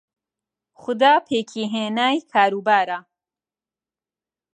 خودا پێکی هێنای کار و بارە